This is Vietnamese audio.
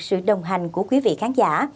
sự đồng hành của quý vị khán giả